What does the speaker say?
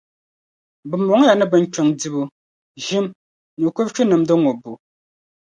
Bɛ mɔŋ ya binkpiŋ dibu, ʒim, ni kuruchu nimdi ŋubbu.